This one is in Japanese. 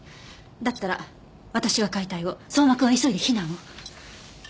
だったら私が解体を相馬くんは急いで避難を。